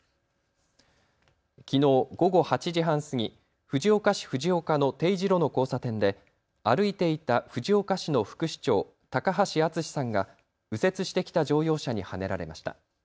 きのう午後８時半過ぎ、藤岡市藤岡の丁字路の交差点で歩いていた藤岡市の副市長、高橋厚さんが右折してきた乗用車にはねられました。